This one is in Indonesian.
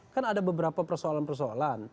kan ada beberapa persoalan persoalan